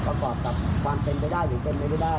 ประกอบกับความเป็นไปได้หรือเป็นไปไม่ได้